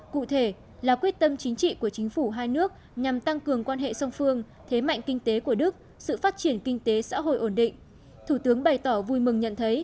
cụ thể là quyết tâm chính trị của chính phủ hai nước nhằm tăng cường quan hệ song phương thế mạnh kinh tế của đức sự phát triển kinh tế xã hội ổn định